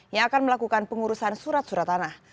yang akan melakukan pengurusan surat surat tanah